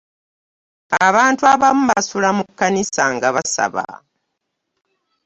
Abantu abamu basula mu kkanisa nga basaba .